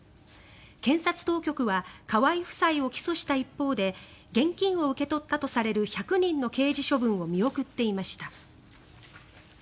検察当局は河井夫妻を起訴した一方で現金を受け取ったとされる１００人の刑事処分を見送っていました。